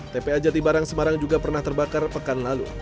tpa jati barang semarang juga pernah terbakar pekan lalu